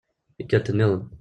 Tikkelt nniḍen.